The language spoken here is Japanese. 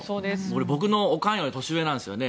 僕のお母さんより年上なんですね。